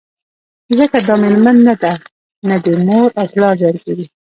ځکه دا ستا مېرمن نه ده نه دي مور او پلار درګوري